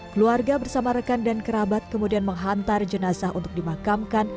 keluarga bersama rekan dan kerabat kemudian menghantar jenazah untuk dimakamkan